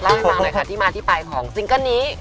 เล่าให้ฟังหน่อยค่ะที่มาที่ไปของซิงเกิ้ลนี้